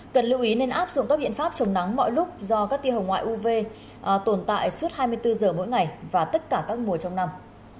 cần lưu ý nên áp dụng các biện pháp trông nắng mọi lúc do các tiêu hồng ngoại uv tồn tại suốt hai mươi bốn h mỗi ngày và tất cả các mùa trông nắng